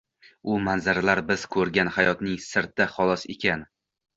U manzaralar biz ko‘rgan hayotning sirti, xolos ekan.